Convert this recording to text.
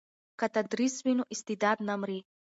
که تدریس وي نو استعداد نه مري.